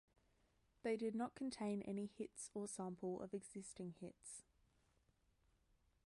They did not contain any hits or sample of existing hits.